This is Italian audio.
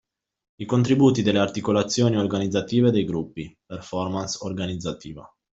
I contributi delle articolazioni organizzative e dei gruppi (performance organizzativa).